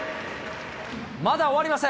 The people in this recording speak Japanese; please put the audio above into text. まだ終わりません。